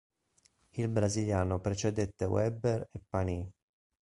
Il brasiliano precedette Webber e Panis.